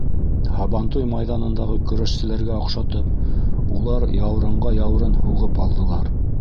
Һабантуй майҙанындағы көрәшселәргә оҡшатып, улар яурынға яурын һуғып алдылар.